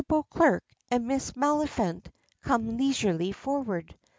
Beauclerk and Miss Maliphant come leisurely forward.